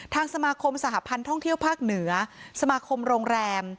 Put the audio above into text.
ทางสมาคมสหพันธ์ท่องเที่ยวภาคเหนือสมาคมโรงแรม